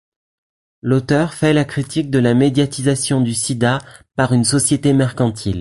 L’auteur fait la critique de la médiatisation du sida par une société mercantile.